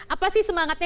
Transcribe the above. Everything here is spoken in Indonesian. apa sih semangatnya